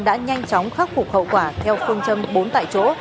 đã nhanh chóng khắc phục hậu quả theo phương châm bốn tại chỗ